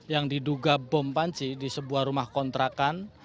yang diduga bom panci di sebuah rumah kontrakan